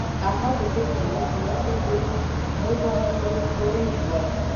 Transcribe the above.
احمد د تېلو بیلر سوری کړ، تېلو بژوهل ټول تویې شول.